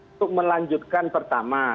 untuk melanjutkan pertama